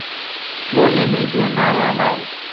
بۆ ئێمەی دێنا ڕاماڵ